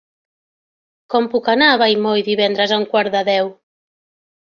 Com puc anar a Vallmoll divendres a un quart de deu?